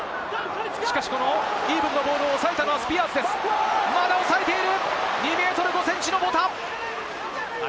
しかしボールをおさえたのはスピアーズです、まだおさえている。